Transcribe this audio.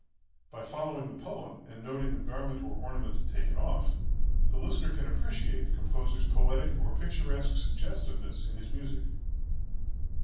By following the poem, and noting the garment or ornament taken off, the listener can appreciate the composer's poetic or picturesque suggestiveness in his music."